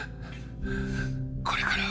これからは